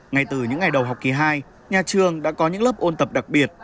ngay từ những ngày đầu học kỳ hai nhà trường đã có những lớp ôn tập đặc biệt